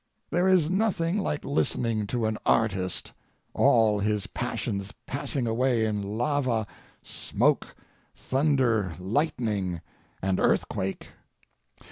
There is nothing like listening to an artist—all his passions passing away in lava, smoke, thunder, lightning, and earthquake.